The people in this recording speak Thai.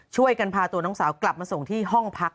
ช่วยกันพาตัวน้องสาวกลับมาส่งที่ห้องพัก